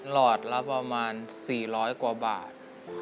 หลอดละประมาณ๔๐๐กว่าบาท